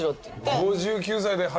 ５９歳で初？